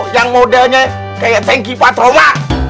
yang modalnya kaya sengki patroma